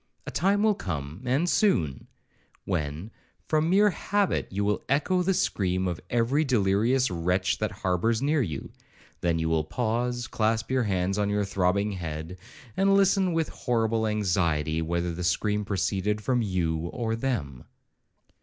A time will come, and soon, when, from mere habit, you will echo the scream of every delirious wretch that harbours near you; then you will pause, clasp your hands on your throbbing head, and listen with horrible anxiety whether the scream proceeded from you or them.